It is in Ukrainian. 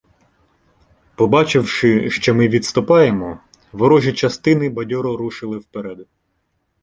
Побачивши, що ми відступаємо, ворожі частини бадьоро рушили вперед.